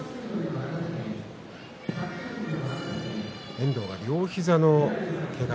遠藤は両膝のけが。